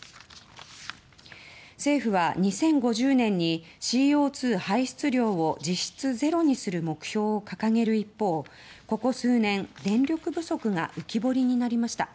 政府は２０５０年にＣＯ２排出量を実質ゼロにする目標を掲げる一方ここ数年、電力不足が浮き彫りになりました。